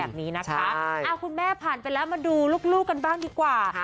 แบบนี้นะคะคุณแม่ผ่านไปแล้วมาดูลูกกันบ้างดีกว่า